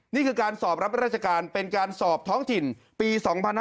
นี่คือการสอบรับราชการเป็นการสอบท้องถิ่นปี๒๕๕๙